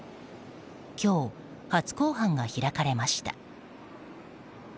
今日、初公判が開かれました。